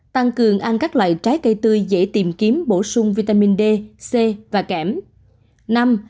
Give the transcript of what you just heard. bốn tăng cường ăn các loại trái cây tươi dễ tìm kiếm bổ sung vitamin d c và kẻm